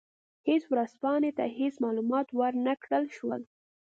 هېڅ ورځپاڼې ته هېڅ معلومات ور نه کړل شول.